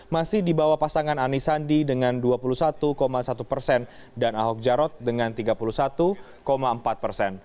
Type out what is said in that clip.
masih dibawa pasangan anisandi dengan dua puluh satu satu persen dan ahok jarod dengan tiga puluh satu empat persen